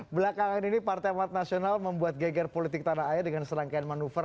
belakangan ini partai amat nasional membuat geger politik tanah air dengan serangkaian manuver